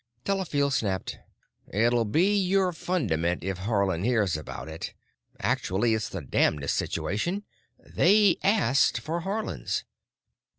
Delafield snapped, "It'll be your fundament if Haarland hears about it. Actually it's the damnedest situation—they asked for Haarland's."